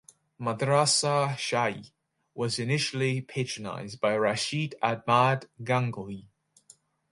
Madrasa Shahi was initially patronized by Rashid Ahmad Gangohi.